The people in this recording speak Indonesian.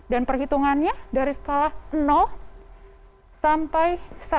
dan perhitungannya dari skala sampai satu